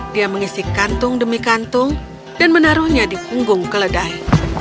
dia mengisi kantung demi kantung dan menaruhnya di punggung keledai